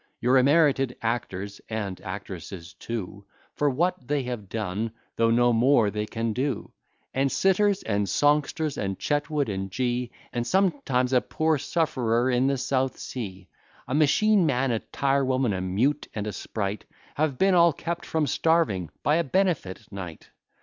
Your emerited actors, and actresses too, For what they have done (though no more they can do) And sitters, and songsters, and Chetwood and G , And sometimes a poor sufferer in the South Sea; A machine man, a tire woman, a mute, and a spright, Have been all kept from starving by a benefit night.